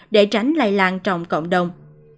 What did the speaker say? để tránh lây lan trong cộng đồng